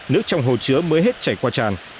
nước trong hồ chứa mới hết chảy qua tràn